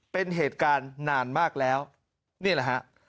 เป็นเหตุการณ์นานมากแล้วนี่แหละฮะ